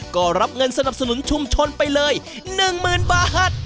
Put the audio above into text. ก็รับเงินสนับสนุนชุมชนไปเลยหนึ่งหมื่นบาท